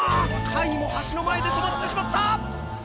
カイも橋の前で止まってしまった。